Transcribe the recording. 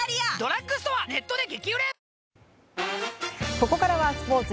ここからは、スポーツ。